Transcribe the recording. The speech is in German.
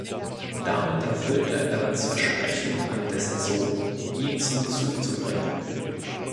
Damit erfüllt er Evans’ Versprechen an dessen Sohn, ihn zum Zug zu bringen.